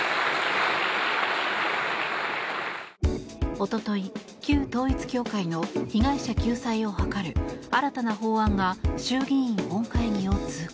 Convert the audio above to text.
おととい、旧統一教会の被害者救済を図る新たな法案が衆議院本会議を通過。